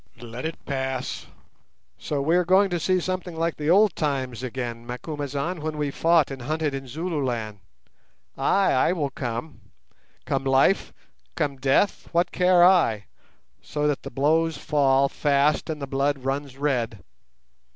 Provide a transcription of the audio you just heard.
Let it pass. So we are going to see something like the old times again, Macumazahn, when we fought and hunted in Zululand? Ay, I will come. Come life, come death, what care I, so that the blows fall fast and the blood runs red?